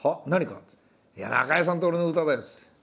「いや中井さんと俺の歌だよ」っつって。